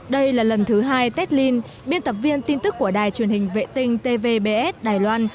đây là lần thứ hai telen biên tập viên tin tức của đài truyền hình vệ tinh tvbs đài loan